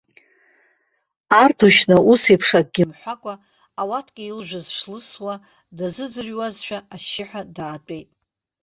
Ардушьна усеиԥш акгьы мҳәакәа, ауатка илжәыз шлылсуа дазыӡырҩуазшәа, ашьшьыҳәа даатәеит.